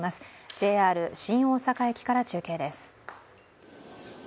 ＪＲ新大阪駅から中継です。